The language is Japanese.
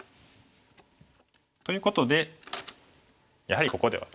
ということでやはりここでは。